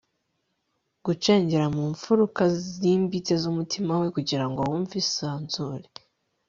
gucengera mu mfuruka zimbitse z'umutima we kugirango wumve isanzure